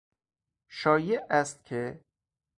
شایع است که...